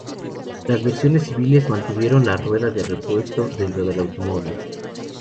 Las versiones civiles mantuvieron la rueda de repuesto dentro del automóvil.